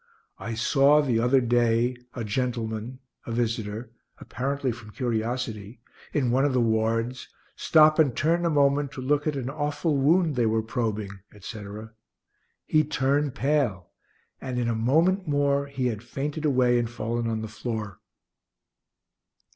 I saw, the other day, a gentleman, a visitor, apparently from curiosity, in one of the wards, stop and turn a moment to look at an awful wound they were probing, etc.; he turned pale, and in a moment more he had fainted away and fallen on the floor.